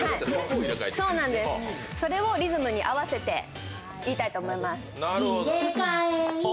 それをリズムに合わせて言いたいと思います。